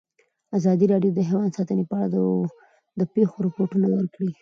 ازادي راډیو د حیوان ساتنه په اړه د پېښو رپوټونه ورکړي.